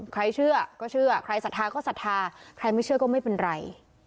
ใครเชื่อก็เชื่อใครศรัทธาก็ศรัทธาใครไม่เชื่อก็ไม่เป็นไร